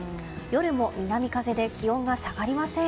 夜も南風で気温が下がりません。